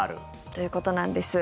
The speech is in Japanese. ということなんです。